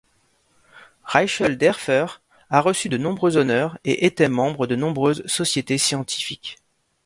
Reichelderfer a reçu de nombreux honneurs et était membre de nombreuses sociétés scientifiques.